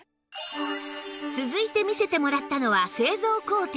続いて見せてもらったのは製造工程